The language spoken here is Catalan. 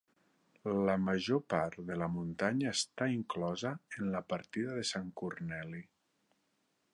La major part de la muntanya està inclosa en la Partida de Sant Corneli.